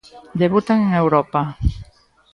Debutan en Europa.